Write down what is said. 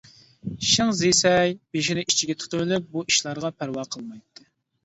شىڭ زىسەي بېشىنى ئىچىگە تىقىۋېلىپ بۇ ئىشلارغا پەرۋا قىلمايتتى.